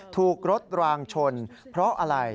ถูกรถรางชนเพราะอะไร